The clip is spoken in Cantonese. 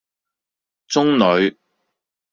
中女